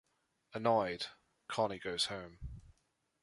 Annoyed, Connie goes home.